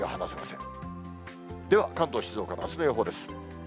では、関東、静岡のあすの予報です。